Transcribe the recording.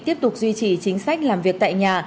tiếp tục duy trì chính sách làm việc tại nhà